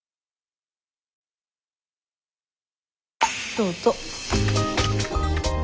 どうぞ。